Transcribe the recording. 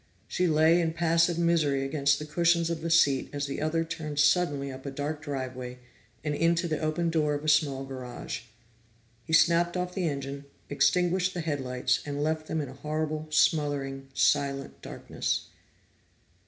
She lay in passive misery against the cushions of the seat as the other turned suddenly up a dark driveway and into the open door of a small garage. He snapped off the engine, extinguished the headlights, and left them in a horrible, smothering, silent darkness.